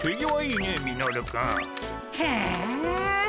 へえ。